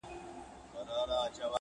یوه ورځ قسمت راویښ بخت د عطار کړ٫